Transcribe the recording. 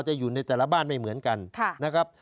จะอยู่ในแต่ละบ้านไม่เหมือนกันนะครับ